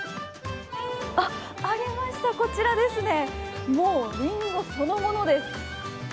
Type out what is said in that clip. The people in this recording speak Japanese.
ありました、こちらですね、もうリンゴそのものです。